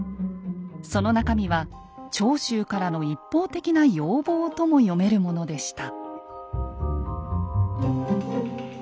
その中身は長州からの一方的な要望とも読めるものでした。